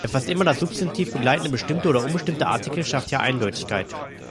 Der fast immer das Substantiv begleitende bestimmte oder unbestimmte Artikel schafft hier Eindeutigkeit.